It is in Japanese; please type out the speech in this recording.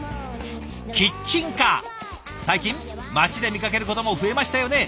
最近街で見かけることも増えましたよね。